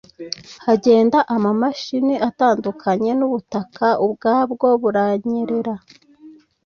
hagenda amamashini atandukanye n’ubutaka ubwabwo buranyerera